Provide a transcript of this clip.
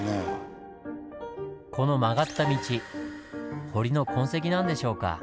この曲がった道堀の痕跡なんでしょうか。